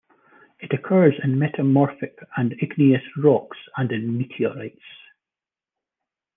It occurs in metamorphic and igneous rocks and in meteorites.